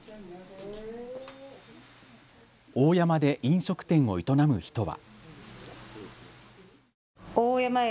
大山で飲食店を営む人は。